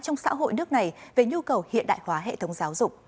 trong xã hội nước này về nhu cầu hiện đại hóa hệ thống giáo dục